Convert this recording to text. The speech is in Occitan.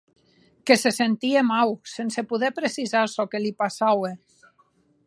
Que se sentie mau, sense poder precisar çò que li passaue.